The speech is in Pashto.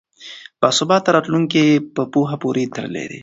باثباته راتلونکی په پوهه پورې تړلی دی.